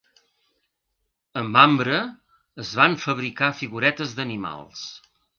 Amb ambre, es van fabricar figuretes d'animals.